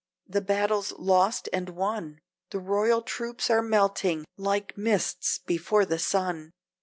"The battle's lost and won; The royal troops are melting, like mists before the sun!